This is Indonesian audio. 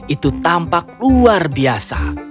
itu tampak luar biasa